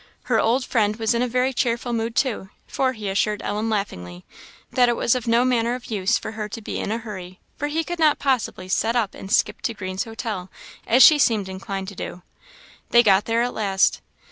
Her old friend was in a very cheerful mood, too, for he assured Ellen, laughingly, that it was of no manner of use for her to be in a hurry, for he could not possibly set off and skip to Green's Hotel, as she seemed inclined to do. They got there at last.